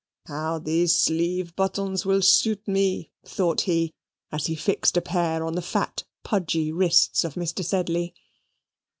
"How those sleeve buttons will suit me!" thought he, as he fixed a pair on the fat pudgy wrists of Mr. Sedley.